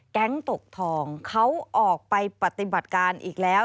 ตกทองเขาออกไปปฏิบัติการอีกแล้ว